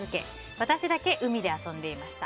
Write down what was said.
私だけ海で遊んでいました。